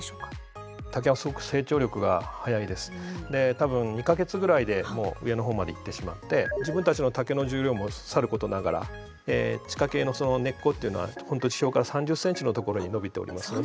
多分２か月ぐらいでもう上の方まで行ってしまって自分たちの竹の重量もさることながら地下茎のその根っこっていうのは本当に地表から３０センチの所に伸びておりますので。